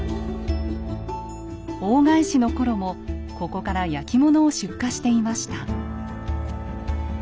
大返しの頃もここから焼き物を出荷していました。